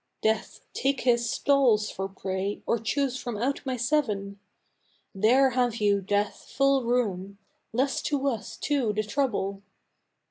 Death, take his stalls for prey, or choose from out my seven! There have you, Death, full room; less to us too the trouble.